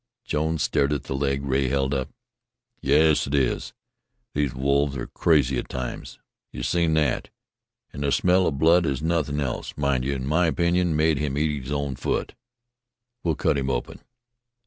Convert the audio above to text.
Jones stared at the leg Rea held up. "Yes, it is. These wolves are crazy at times. You've seen thet. An' the smell of blood, an' nothin' else, mind you, in my opinion, made him eat his own' foot. We'll cut him open."